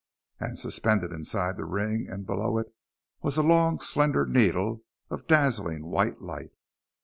And suspended inside the ring and below it was a long, slender needle of dazzling white light.